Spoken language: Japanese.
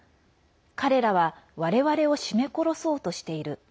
彼らは我々を絞め殺そうとしている。